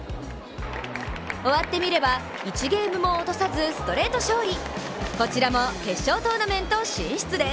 終わってみれば、１ゲームも落とさずストレート勝利。